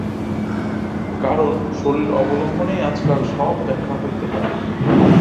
কারণ শরীর-অবলম্বনেই আজকাল সব ব্যাখ্যা হইতে পারে।